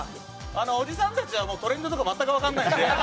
おじさんたちはトレンドとか全く分からないので。